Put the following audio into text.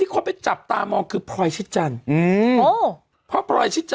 ขายออนไลน์รุ่นแรกเลย